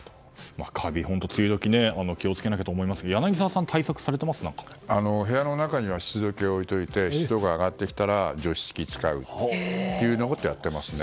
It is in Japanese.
カビ、梅雨時気を付けないといけませんが部屋の中には湿度計を置いておいて湿度が上がってきたら除湿器を使っていますね。